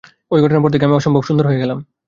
ঐ ঘটনার পর থেকে আমি অসম্ভব সুন্দর হয়ে গেলাম।